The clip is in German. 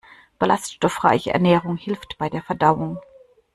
Ballaststoffreiche Ernährung hilft bei der Verdauung.